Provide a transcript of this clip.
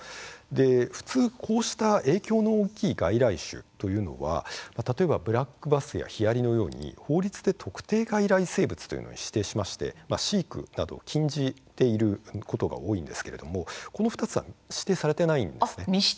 普通こうした影響の大きい外来種というのは例えばブラックバスやヒアリのように法律で特定外来生物というものに指定しまして飼育などを禁じていることが多いんですがこの２つは指定されていないんです。